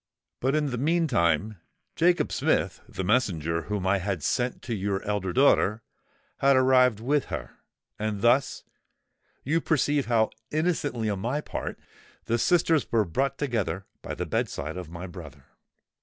But, in the meantime, Jacob Smith—the messenger whom I had sent to your elder daughter—had arrived with her; and thus—you perceive how innocently on my part,—the sisters were brought together by the bed side of my brother!"